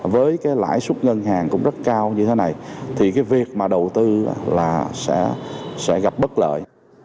với cái lãi suất ngân hàng cũng rất cao như thế này thì cái việc mà đầu tư là sẽ gặp bất lợi